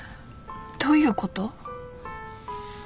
どういうこと？